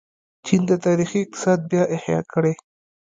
چین د تاریخي اقتصاد بیا احیا کړې.